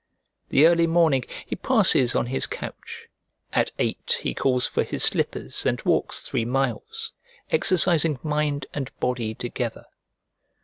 The early morning he passes on his couch; at eight he calls for his slippers, and walks three miles, exercising mind and body together.